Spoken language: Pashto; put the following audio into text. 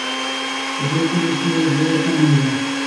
په دې کلي کې ډېر امن ده